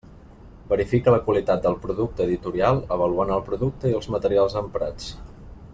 Verifica la qualitat del producte editorial avaluant el producte i els materials emprats.